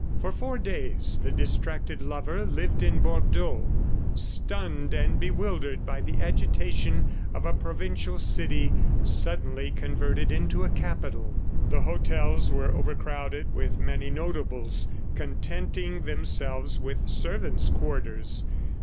For four days the distracted lover lived in Bordeaux, stunned and bewildered by the agitation of a provincial city suddenly converted into a capital. The hotels were overcrowded, many notables contenting themselves with servants' quarters.